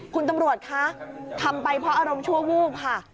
คุณตำรวจคะทำไปเพราะอารมณ์ชั่ววูบค่ะ